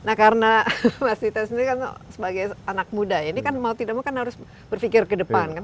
nah karena mas dita sendiri kan sebagai anak muda ini kan mau tidak mau kan harus berpikir ke depan kan